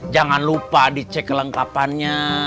jangan lupa dicek kelengkapannya